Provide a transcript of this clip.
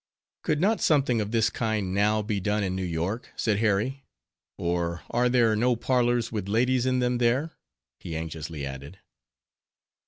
"Could not something of this kind now, be done in New York?" said Harry, "or are there no parlors with ladies in them, there?" he anxiously added.